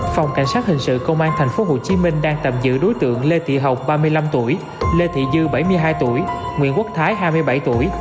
phòng cảnh sát hình sự công an tp hcm đang tạm giữ đối tượng lê thị học ba mươi năm tuổi lê thị dư bảy mươi hai tuổi nguyễn quốc thái hai mươi bảy tuổi